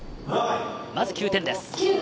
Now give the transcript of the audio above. まず９点です。